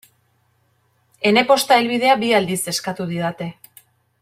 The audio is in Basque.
Ene posta helbidea bi aldiz eskatu didate.